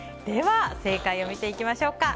では、正解を見ていきましょう。